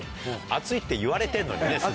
熱いって言われてんのにね